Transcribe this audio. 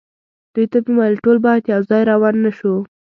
دوی ته مې وویل: ټول باید یو ځای روان نه شو.